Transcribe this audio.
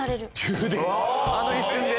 あの一瞬で？